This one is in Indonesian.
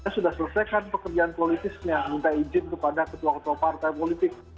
sudah selesaikan pekerjaan politisnya minta izin kepada ketua ketua partai politik